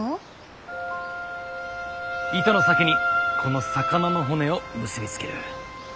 糸の先にこの魚の骨を結び付ける。